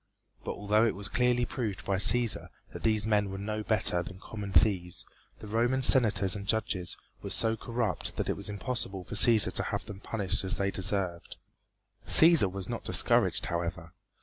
But although it was clearly proved by Cæsar that these men were no better than common thieves, the Roman senators and judges were so corrupt that it was impossible for Cæsar to have them punished as they deserved. Cæsar was not discouraged, however.